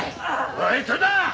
おい豊田！